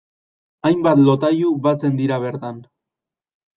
Hainbat lotailu batzen dira bertan.